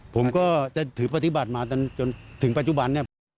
ผมก็จะถือปฏิบัติมาจนถึงปัจจุบันเนี่ย